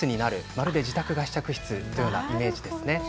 まるで自宅が試着室というイメージですよね。